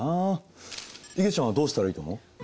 いげちゃんはどうしたらいいと思う？